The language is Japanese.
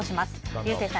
竜星さん